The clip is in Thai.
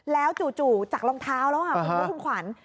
แล้วจู่จากรองเท้าแล้วครับพี่มิโตกุ่งอขวัญ